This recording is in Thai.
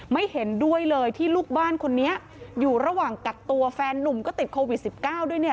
ไม่เห็นด้วยเลยที่ลูกบ้านคนนี้อยู่ระหว่างกักตัวแฟนนุ่มก็ติดโควิด๑๙ด้วยเนี่ย